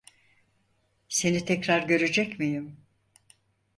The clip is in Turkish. Seni tekrar görecek miyim?